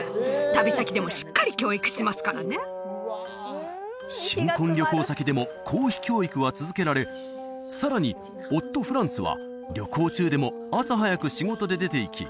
旅先でもしっかり教育しますからね新婚旅行先でも皇妃教育は続けられさらに夫フランツは旅行中でも朝早く仕事で出ていき